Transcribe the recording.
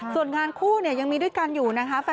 ส่วนงานคู่เนี่ยยังมีด้วยกันอยู่นะคะ